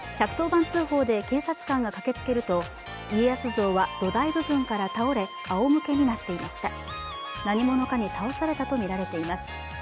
１１０番通報で警察官が駆けつけると家康像は土台部分から倒れ、あおむけになっていました何者かに倒されたとみられています。